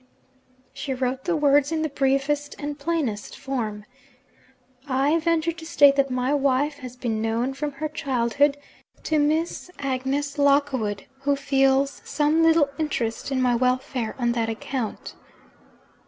She wrote the words in the briefest and plainest form: 'I venture to state that my wife has been known from her childhood to Miss Agnes Lockwood, who feels some little interest in my welfare on that account.'